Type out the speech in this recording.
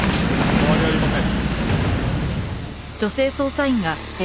変わりありません。